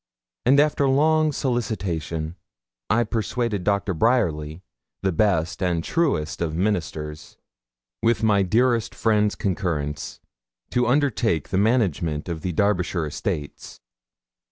And after long solicitation, I persuaded Doctor Bryerly, the best and truest of ministers, with my dearest friend's concurrence, to undertake the management of the Derbyshire estates.